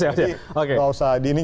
jadi gak usah dini